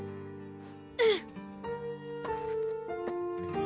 うん！